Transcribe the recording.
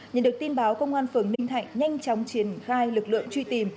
nhận được tin báo công an phường ninh thạnh nhanh chóng triển khai lực lượng truy tìm